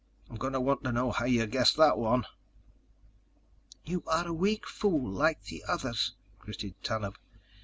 I'm going to want to know how you guessed that one."_ "You are a weak fool like the others," gritted Tanub.